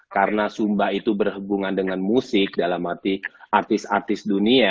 karena sumba itu berhubungan dengan musik dalam artis artis dunia